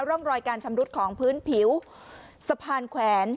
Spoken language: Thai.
ร่องรอยการชำรุดของพื้นผิวสะพานแขวน